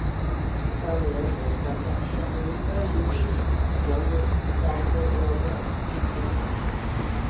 San Lorenzo snapped up Chacarita Juniors youngster Franco Romero in May.